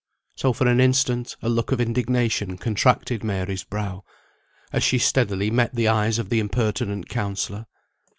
So, for an instant, a look of indignation contracted Mary's brow, as she steadily met the eyes of the impertinent counsellor.